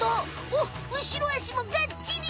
おっ後ろあしもがっちり。